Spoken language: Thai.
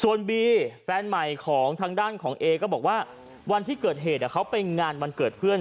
ส่วนบีแฟนใหม่ของทางด้านของเอก็บอกว่าวันที่เกิดเหตุเขาไปงานวันเกิดเพื่อน